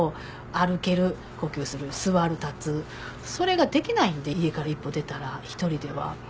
歩ける呼吸する座る立つそれができないんで家から一歩出たら１人では。